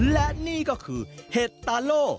และนี่ก็คือเห็ดตาโล่